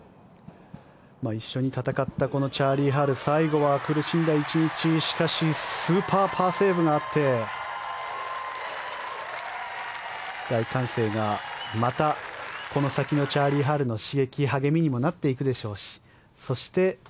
一緒に戦ったチャーリー・ハル最後は苦しんだ１日しかしスーパーパーセーブがあって大歓声が、またこの先のチャーリー・ハルの刺激励みにもなっていくでしょうしそして